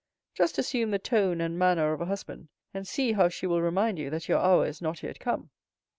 Just assume the tone and manner of a husband, and see how she will remind you that your hour is not yet come!"